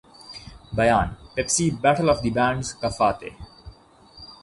بیان Pepsi battle of the bands کا فاتح